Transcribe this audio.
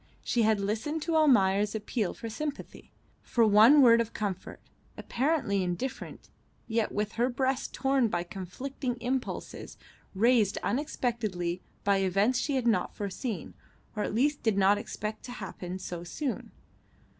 She had listened to Almayer's appeal for sympathy, for one word of comfort, apparently indifferent, yet with her breast torn by conflicting impulses raised unexpectedly by events she had not foreseen, or at least did not expect to happen so soon.